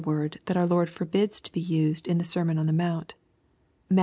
word that our Lord forbids to be used in the sermon on the moont, (Matt.